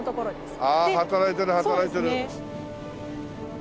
ああ働いてる働いてる。